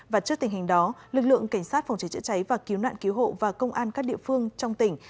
và trước tình hình đó lực lượng cảnh sát phòng cháy chữa cháy và cứu nạn cứu hộ và công an các địa phương trong tỉnh